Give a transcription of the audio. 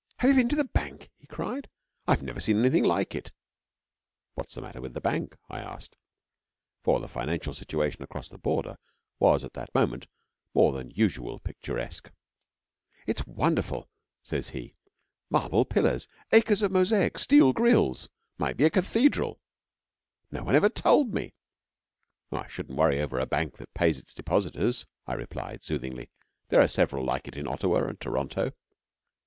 'Have you been to the Bank?' he cried. 'I've never seen anything like it!' 'What's the matter with the Bank?' I asked: for the financial situation across the Border was at that moment more than usual picturesque. 'It's wonderful!' said he; 'marble pillars acres of mosaic steel grilles 'might be a cathedral. No one ever told me.' 'I shouldn't worry over a Bank that pays its depositors,' I replied soothingly. 'There are several like it in Ottawa and Toronto.'